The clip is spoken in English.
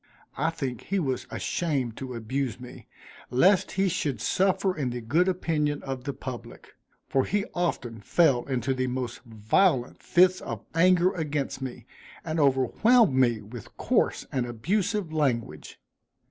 I think he was ashamed to abuse me, lest he should suffer in the good opinion of the public; for he often fell into the most violent fits of anger against me, and overwhelmed me with coarse and abusive language.